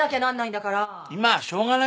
今はしょうがないんだよ。